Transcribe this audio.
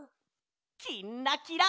「きんらきら」。